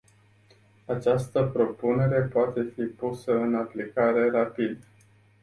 Această propunere poate fi pusă în aplicare rapid.